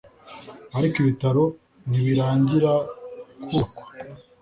ariko ibitaro ntibirangira kubakwa